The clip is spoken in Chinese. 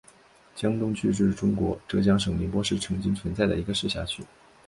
江东区是中国浙江省宁波市曾经存在的一个市辖区。